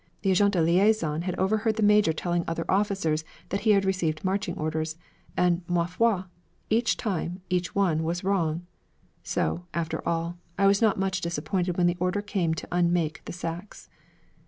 The agents de liaison had overheard the major telling other officers that he had received marching orders, and, 'ma foi! each time each one was wrong!' So, after all, I was not much disappointed when the order came to unmake the sacks.